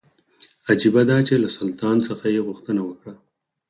عجیبه دا چې له سلطان څخه یې غوښتنه وکړه.